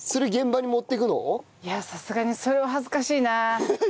いやあさすがにそれは恥ずかしいなあ。